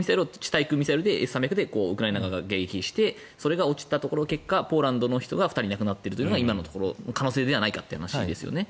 対空ミサイルＳ３００でウクライナ側が迎撃してそれが落ちたところ結果、ポーランドの人が２人亡くなったのが今のところの可能性ではないかという話ですよね。